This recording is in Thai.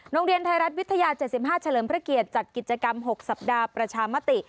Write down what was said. โรงเรียนไทยรัฐวิทยา๗๕เฉลิมพระเกียรติจัดกิจกรรม๖สัปดาห์ประชามติ